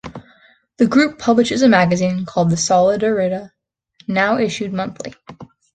The group publishes a magazine called "Solidarita", now issued monthly.